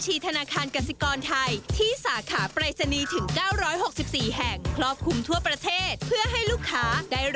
อย่างนี้ว่าฝากเงินตรงไหนก็ได้